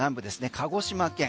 鹿児島県